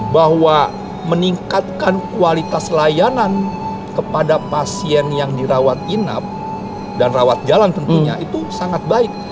bahwa meningkatkan kualitas layanan kepada pasien yang dirawat inap dan rawat jalan tentunya itu sangat baik